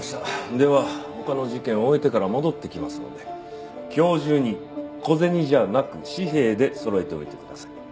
では他の事件を終えてから戻ってきますので今日中に小銭じゃなく紙幣でそろえておいてください。